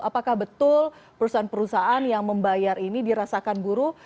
apakah betul perusahaan perusahaan yang membayar ini dirasakan buruh